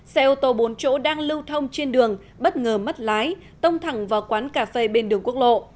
xe ô tô bốn chỗ đang lưu thông trên đường bất ngờ mất lái tông thẳng vào quán cà phê bên đường quốc lộ